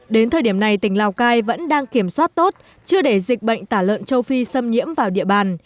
đến thời điểm này tỉnh lào cai vẫn đang kiểm soát tốt chưa để dịch bệnh tả lợn châu phi xâm nhiễm vào địa bàn